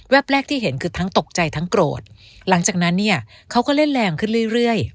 แรกที่เห็นคือทั้งตกใจทั้งโกรธหลังจากนั้นเนี่ยเขาก็เล่นแรงขึ้นเรื่อย